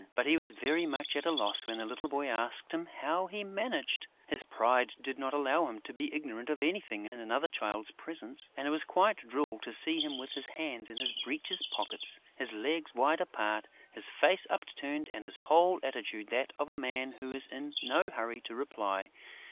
But he was very much at a loss when the little boy asked him "how he managed." His pride did not allow him to be ignorant of anything in another child's presence; and it was quite droll to see him with his hands in his breeches pockets, his legs wide apart, his face upturned and his whole attitude that of a man who is in no hurry to reply.